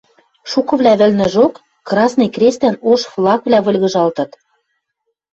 Шукывлӓ вӹлнӹжок красный крестӓн ош флагвлӓ выльгыжалтыт.